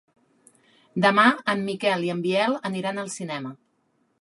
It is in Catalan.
Demà en Miquel i en Biel aniran al cinema.